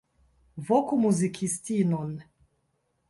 Voku muzikistinon.